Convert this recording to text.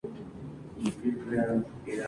Habita en Yunnan, Vietnam, Tailandia y Laos.